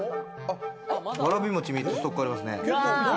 わらび餅、３つストックありますね。